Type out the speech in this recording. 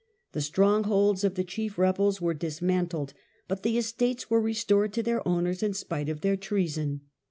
The strongholds of the chief rebels were dismantled, but the estates were restored to their owners in spite of their treason.